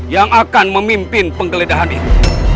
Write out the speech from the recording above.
yang akan memimpin penggeledahan itu